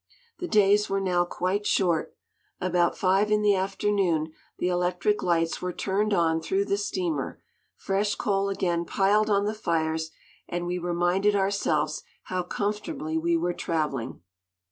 The days were now quite short. About five in the afternoon the electric lights were turned on through the steamer, fresh coal again piled on the fires, and we reminded ourselves how comfortably we were traveling.